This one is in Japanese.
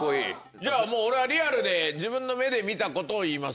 じゃあもう俺はリアルで自分の目で見たことを言います。